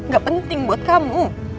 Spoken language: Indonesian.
gak penting buat kamu